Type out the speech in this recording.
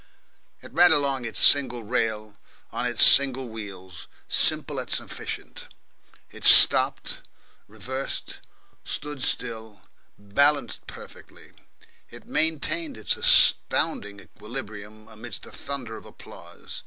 It ran along its single rail, on its single wheels, simple and sufficient; it stopped, reversed stood still, balancing perfectly. It maintained its astounding equilibrium amidst a thunder of applause.